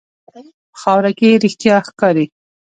په خاوره کې رښتیا ښکاري.